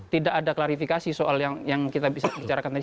tidak ada klarifikasi soal yang kita bisa bicarakan tadi